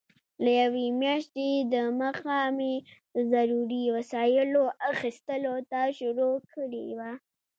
له یوې میاشتې دمخه مې د ضروري وسایلو اخیستلو ته شروع کړې وه.